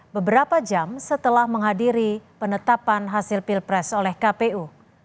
beberapa jam setelah menghadiri penetapan hasil pilpres oleh kpu